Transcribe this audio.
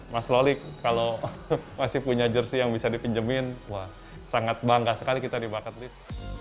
mas lolik kalau masih punya jersi yang bisa dipinjemin wah sangat bangga sekali kita di bakat lead